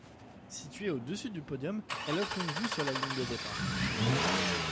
Située au-dessus du podium, elle offre une vue sur la ligne de départ.